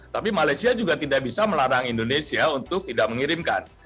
tapi malaysia juga tidak bisa melarang indonesia untuk tidak mengirimkan